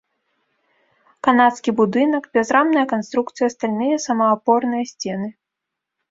Канадскі будынак, бязрамная канструкцыя, стальныя самаапорныя сцены.